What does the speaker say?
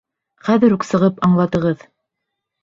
Хәҙер үк сығып аңлатығыҙ!